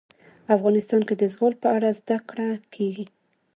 افغانستان کې د زغال په اړه زده کړه کېږي.